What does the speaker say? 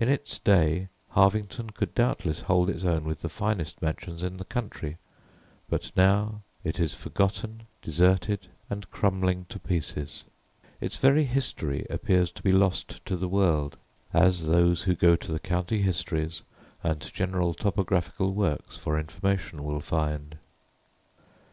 In its day Harvington could doubtless hold its own with the finest mansions in the country, but now it is forgotten, deserted, and crumbling to pieces. Its very history appears to be lost to the world, as those who go to the county histories and general topographical works for information will find.